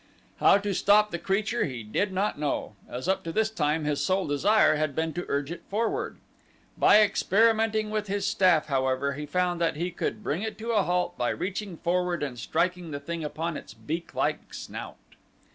How to stop the creature he did not know, as up to this time his sole desire had been to urge it forward. By experimenting with his staff, however, he found that he could bring it to a halt by reaching forward and striking the thing upon its beaklike snout.